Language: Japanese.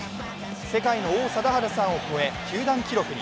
世界の王貞治さんを超え球団記録に。